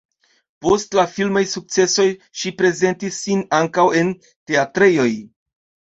Post la filmaj sukcesoj ŝi prezentis sin ankaŭ en teatrejoj.